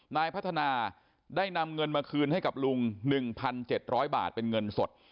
นายพัฒนาได้นำเงินมาคืนให้กับลุง๑๗๐๐บาทเป็นเงินสด